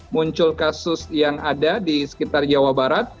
muncul kasus yang ada di sekitar jawa barat